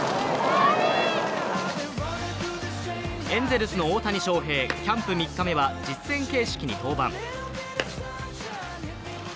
エンゼルスの大谷翔平、キャンプ３日目は実戦形式に登板。